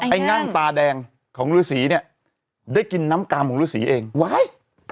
ไอ้งั่งไอ้งั่งตาแดงของฤษีเนี้ยได้กินน้ำกามของฤษีเองไว้